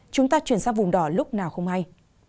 chúng ta chuyển sang vùng đỏ lúc nào không hay